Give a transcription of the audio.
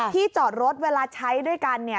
ที่จอดรถเวลาใช้ด้วยกัน